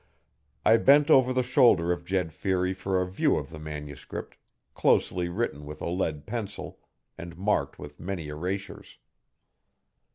I bent over the shoulder of Jed Feary for a view of the manuscript, closely written with a lead pencil, and marked with many erasures.